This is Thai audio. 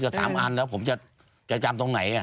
ก็ไอ้หมูชี้ไว้๓อันเดี๋ยวจะจำตรงไหน